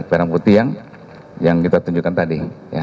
perang putih yang kita tunjukkan tadi